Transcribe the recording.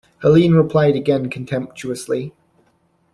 Helene replied again contemptuously.